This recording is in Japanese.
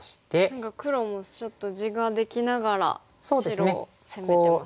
何か黒もちょっと地ができながら白を攻めてますよね。